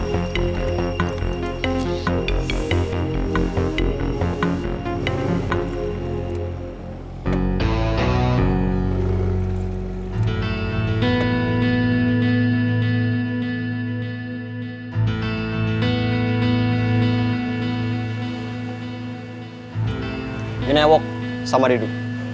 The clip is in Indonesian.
bintai wok sama didu